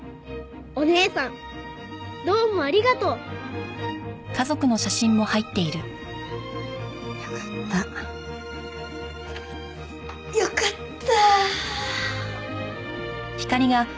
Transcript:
「お姉さんどうもありがとう」よかった。よかった！